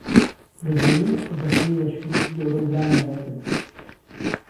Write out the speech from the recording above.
دەجهیلی و فوزهپلی لهشکرێکی گهوره و گرانیان دهکرد